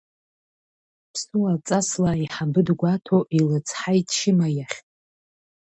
Ԥсуа ҵасла аиҳабы дгәаҭо, илыцҳаит Шьыма иахь…